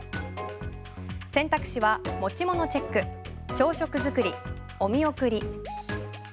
選択肢は持ち物チェック朝食作り、お見送り。